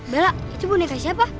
bella itu boneka siapa